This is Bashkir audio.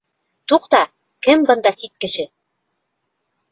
Туҡта, кем бында сит кеше?